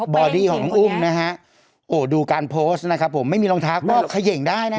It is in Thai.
อดี้ของน้องอุ้มนะฮะโอ้ดูการโพสต์นะครับผมไม่มีรองเท้าก็เขย่งได้นะฮะ